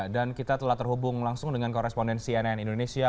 dan kita telah terhubung langsung dengan koresponden cnn indonesia